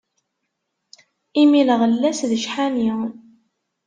Imi lɣella-s d cḥani.